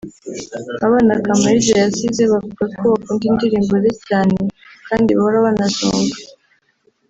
Abana Kamaliza yasize bavuga ko bakunda indirimbo ze cyane kandi bahora banazumva